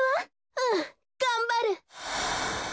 うんがんばる！